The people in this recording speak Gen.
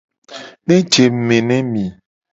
Ne je ngku me ne mi.